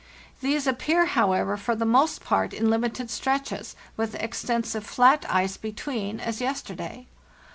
These appear, however, for the most part in limited stretches, with extensive flat ice between, as yes terday.